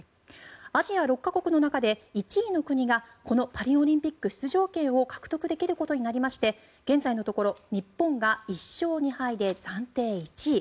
アジア６か国の中で１位の国がこのパリオリンピック出場権を獲得できることになりまして現在のところ日本が１勝２敗で暫定１位。